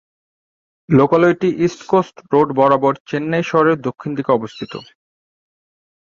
লোকালয়টি East Coast Road বরাবর চেন্নাই শহরের দক্ষিণ দিকে অবস্থিত।